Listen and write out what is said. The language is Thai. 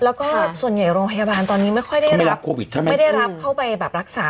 แล้วก็ส่วนใหญ่โรงพยาบาลตอนนี้ไม่ค่อยได้รับเข้าไปรักษา